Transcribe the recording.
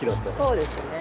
そうですね。